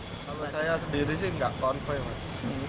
kalau saya sendiri sih nggak konvoy mas